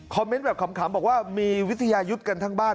เมนต์แบบขำบอกว่ามีวิทยายุทธ์กันทั้งบ้าน